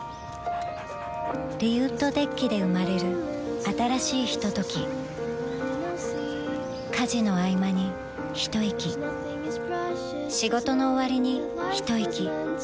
リウッドデッキで生まれる新しいひととき家事のあいまにひといき仕事のおわりにひといき